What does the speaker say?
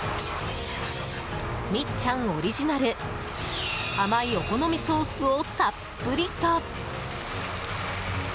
みっちゃんオリジナル甘いお好みソースをたっぷりと。